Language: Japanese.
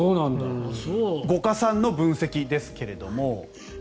五箇さんの分析ですけども。